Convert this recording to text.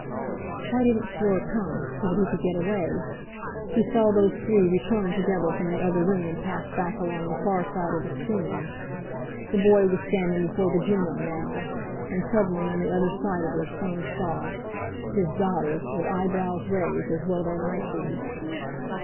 Why didn't Fleur come, so that he could get away? He saw those three return together from the other room and pass back along the far side of the screen. The boy was standing before the Juno now. And, suddenly, on the other side of her, Soames saw—his daughter, with eyebrows raised, as well they might be.